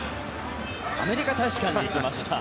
アメリカ大使館に行きました。